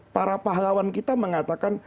para pahlawan kita mengatakan